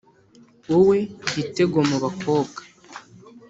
wowe, gitego mu bakobwa?